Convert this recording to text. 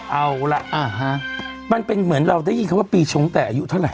เอาล่ะมันเป็นเหมือนเราได้ยินคำว่าปีชงแต่อายุเท่าไห